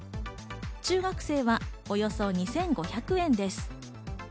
中学生はおよそ２５００円です。